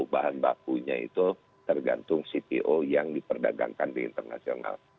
bahan bakunya itu tergantung cpo yang diperdagangkan di internasional